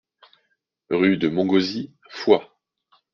Rue de Montgauzy, Foix